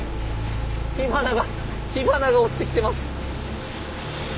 火花が火花が落ちてきてます。